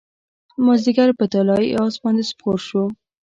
مازدیګر په طلايي اس باندې سپور شو